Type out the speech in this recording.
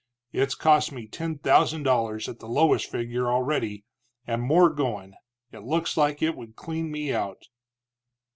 It's cost me ten thousand dollars, at the lowest figure, already, and more goin'. It looks like it would clean me out."